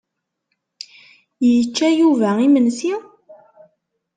Yečča Yuba imensi?